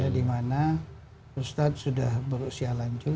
dimana ustadz sudah berusia lanjut